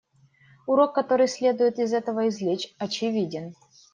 Урок, который следует из этого извлечь, очевиден.